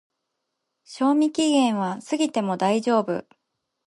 賞味期限は過ぎても大丈夫